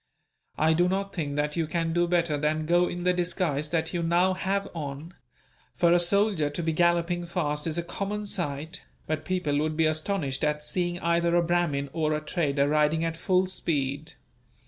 I do not think that you can do better than go in the disguise that you now have on; for a soldier to be galloping fast is a common sight, but people would be astonished at seeing either a Brahmin or a trader riding at full speed.